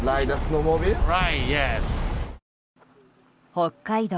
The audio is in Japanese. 北海道